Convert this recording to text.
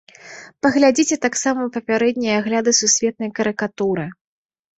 Паглядзіце таксама папярэднія агляды сусветнай карыкатуры.